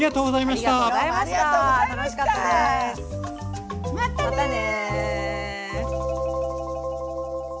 またね！